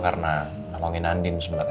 karena nolongin andin sebenarnya